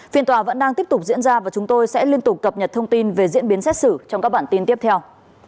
phiên tòa vẫn đang tiếp tục diễn ra và chúng tôi sẽ liên tục cập nhật thông tin về diễn biến xét xử trong các bản tin tiếp theo